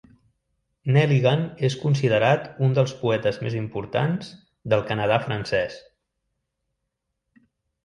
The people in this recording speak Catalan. Nelligan és considerat un dels poetes més importants del Canadà francès.